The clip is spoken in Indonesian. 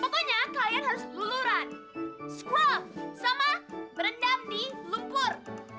pokoknya kalian harus luluran scrub sama berendam di lumpur